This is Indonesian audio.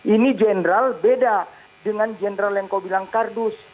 ini general beda dengan general yang kau bilang kardus